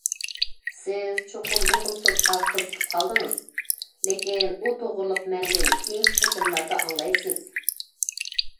سىز چوقۇم بۇ خىل سوتقا قىزىقىپ قالدىڭىز، لېكىن ئۇ توغرىلىق مەندىن كېيىنكى قېتىملاردا ئاڭلايسىز.